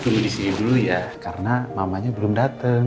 dulu di sini dulu ya karena mamanya belum datang